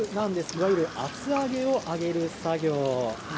いわゆる厚揚げを揚げる作業。